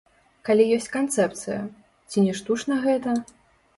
Калі ёсць канцэпцыя, ці не штучна гэта?